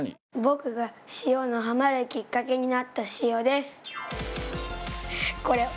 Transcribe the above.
僕が塩にハマるきっかけになった塩です。